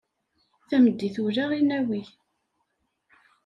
Tameddit ula i nawi.